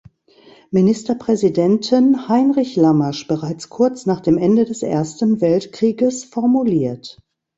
Ministerpräsidenten Heinrich Lammasch bereits kurz nach dem Ende des Ersten Weltkrieges formuliert.